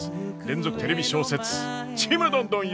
連続テレビ小説「ちむどんどん」